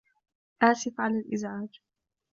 آسف على الإزعاج.